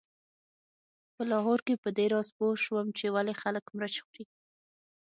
په لاهور کې په دې راز پوی شوم چې ولې خلک مرچ خوري.